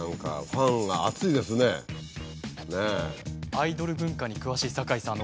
アイドル文化に詳しい境さん。